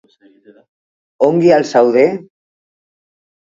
Ongi al zaude?